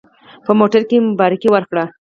په موټر کې مبارکي ورکړه.